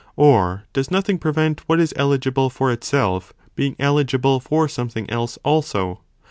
Or does nothing prevent what is eligible for itself, being eligible for something else also?